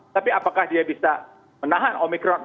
tapi apakah dia bisa menahan omikron